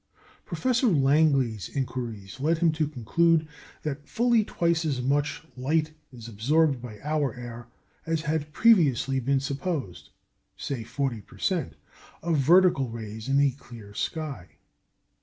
Professor Langley's inquiries led him to conclude that fully twice as much light is absorbed by our air as had previously been supposed say 40 per cent. of vertical rays in a clear sky.